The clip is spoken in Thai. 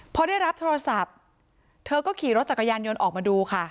พอได้รับโทรศัพท์เธอก็ขี่รถจักรยานยนต์ออกมาดูค่ะ